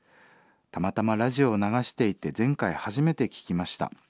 たまたまラジオを流していて前回初めて聴きました。